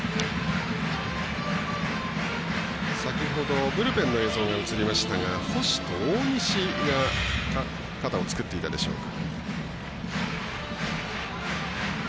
先ほど、ブルペンの映像が映りましたが星と大西が肩を作っていたでしょうか。